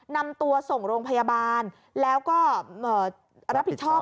นำตัวส่งโรงพยาบาลแล้วก็รับผิดชอบ